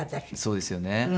そうですよね。